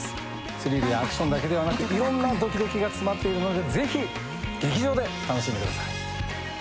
スリルやアクションだけではなくいろんなドキドキが詰まっているのでぜひ劇場で楽しんでください。